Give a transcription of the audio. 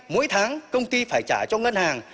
mỗi tháng công ty phải trả cho ngân hàng